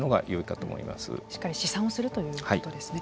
しっかり試算をするということですね。